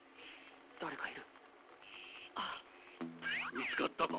見つかったか？